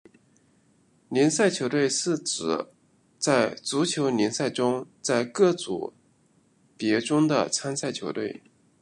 联赛球队是指在足球联赛中在各组别中的参赛球队。